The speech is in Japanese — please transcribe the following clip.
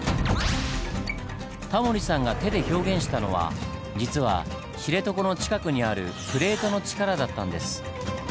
タモリさんが手で表現したのは実は知床の近くにあるプレートの力だったんです。